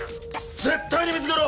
絶対に見つけろ！